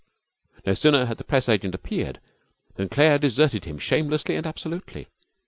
No sooner had the press agent appeared than Claire deserted him shamelessly and absolutely.